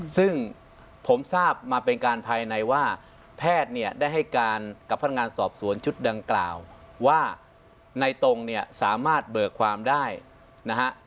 ซึ่งผมทราบมาเป็นการภายในว่าแพทย์เนี่ยได้ให้การกับพนักงานสอบสวนชุดดังกล่าวว่าในตรงเนี่ยสามารถเบิกความได้นะฮะ